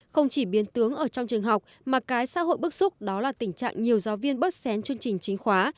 không chỉ biến tướng ở trong trường học mà cái xã hội bức xúc đó là tình trạng nhiều giáo viên bớt xén chương trình chính khóa